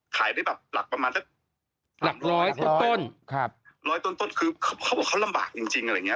ขายได้แบบหลักประมาณสักหลักร้อยต้นต้นครับร้อยต้นต้นคือเขาบอกเขาลำบากจริงจริงอะไรอย่างเง